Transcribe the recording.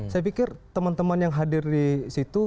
saya pikir teman teman yang hadir disitu